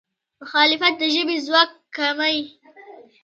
مخالفت د ژبې ځواک کموي.